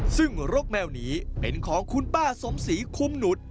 ซึ่งรกแมวนี้เป็นของคุณป้าสมศรีคุ้มหนุษย์